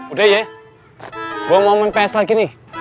udah ya gue mau main ps lagi nih